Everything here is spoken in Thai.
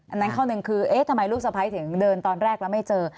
อันนั้นข้อหนึ่งคือเอ๊ะทำไมลูกสะพ้ายถึงเดินตอนแรกแล้วไม่เจอ